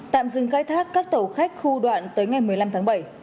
tạm dừng khai thác các tàu khách khu đoạn tới ngày một mươi năm tháng bảy